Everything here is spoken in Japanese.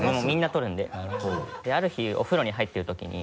ある日お風呂に入ってるときに。